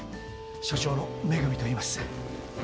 所長の恵といいます。